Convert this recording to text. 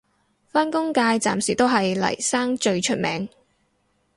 返工界暫時都係嚟生最出名